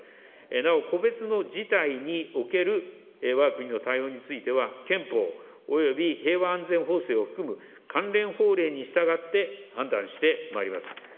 なお、個別の事態におけるわが国の対応については、憲法及び平和安全法制を含む関連法令に従って判断してまいります。